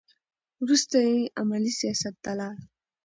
وروسته یې عملي سیاست ته لاړ.